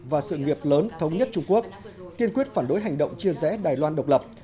và sự nghiệp lớn thống nhất trung quốc kiên quyết phản đối hành động chia rẽ đài loan độc lập